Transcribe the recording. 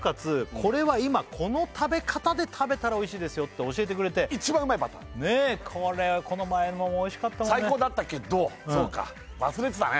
これは今この食べ方で食べたらおいしいですよって教えてくれて一番うまいパターンこれこの前もおいしかったもんね最高だったけどそうか忘れてたね